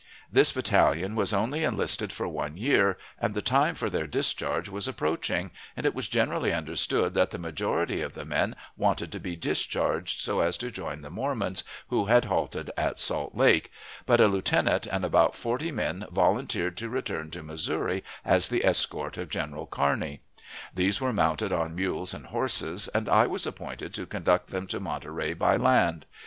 This battalion was only enlisted for one year, and the time for their discharge was approaching, and it was generally understood that the majority of the men wanted to be discharged so as to join the Mormons who had halted at Salt Lake, but a lieutenant and about forty men volunteered to return to Missouri as the escort of General Kearney. These were mounted on mules and horses, and I was appointed to conduct them to Monterey by land.